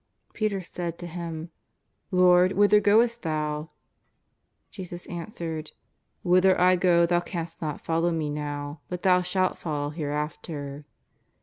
Peter said to Him :" Lord, whither goest Thou ?" Jesus answered :" Whither I go thou canst not follow Me now, but thou shalt follow hereafter."